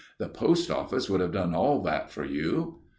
"The post office would have done all that for you."